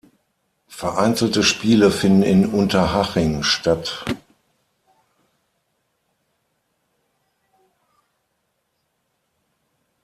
Vereinzelte Spiele finden in Unterhaching statt.